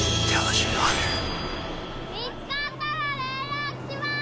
見つかったられんらくします！